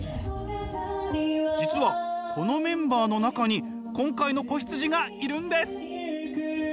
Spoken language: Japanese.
実はこのメンバーの中に今回の子羊がいるんです。